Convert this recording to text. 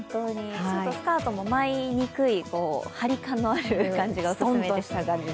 スカートも舞いにくい、張り感のあるものがおすすめです。